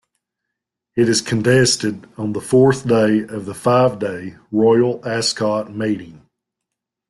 It is contested on the fourth day of the five-day Royal Ascot meeting.